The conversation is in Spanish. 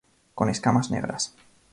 Con escamas negras.